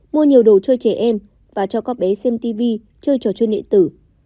mua nhiều đồ chơi trẻ em và cho các bé xem tv chơi trò chơi điện tử